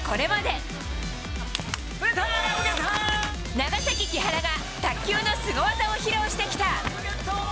長崎、木原が卓球のスゴ技を披露してきた。